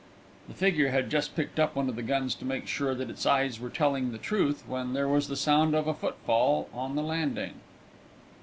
The figure had just picked up one of the guns to make sure that its eyes were telling the truth, when there was the sound of a footfall on the landing.